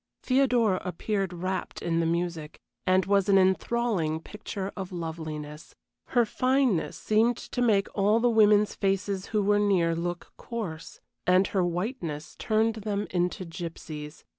Theodora appeared wrapped in the music, and was an enthralling picture of loveliness; her fineness seemed to make all the women's faces who were near look coarse, and her whiteness turned them into gypsies.